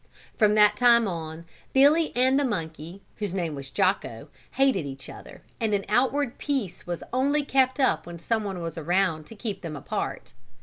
From that time on, Billy and the monkey, whose name was Jocko, hated each other and an outward peace was only kept up when someone was around to keep them apart.